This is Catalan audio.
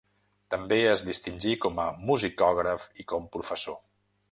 També es distingí com a musicògraf i com professor.